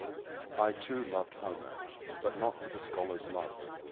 I, too, loved Homer, but not with a scholar's love.